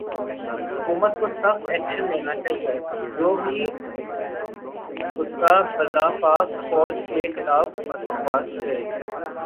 حکومت کو سخت ایکشن لینا چایئے جو بھی کتا بلا پاک فوج کے خلاف بکواس کرے